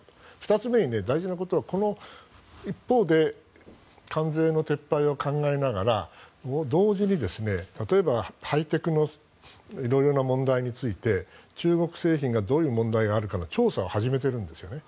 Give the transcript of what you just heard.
２つ目に大事なことはこの一方で関税の撤廃を考えながら同時に例えばハイテクの色々な問題について中国製品がどういう問題があるかの調査を始めているんですよね。